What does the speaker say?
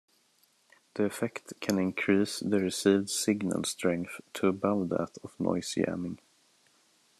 The effect can increase the received signal strength to above that of noise jamming.